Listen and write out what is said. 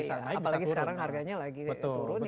apalagi sekarang harganya lagi turun